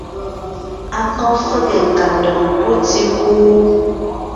A kɔ́ fege nkandoŋ pɔ́ tíkú?